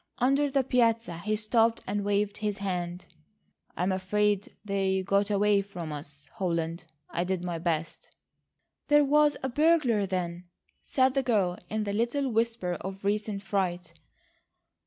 Under the piazza he stopped and waved his hand. "I'm afraid they got away from us, Holland. I did my best." "There was a burglar then!" said the girl in the little whisper of recent fright.